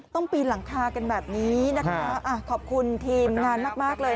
ปีนหลังคากันแบบนี้นะคะขอบคุณทีมงานมากเลย